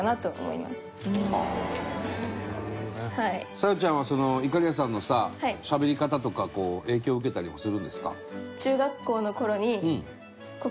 沙夜ちゃんはいかりやさんのさしゃべり方とか影響受けたりもするんですか？